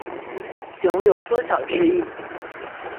酉有缩小之意。